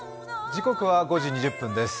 時刻は５時２０分です。